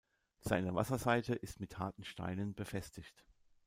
Seine Wasserseite ist mit harten Steinen befestigt.